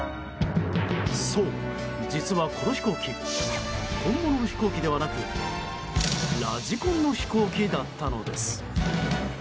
そう、実はこの飛行機本物の飛行機ではなくラジコンの飛行機だったのです。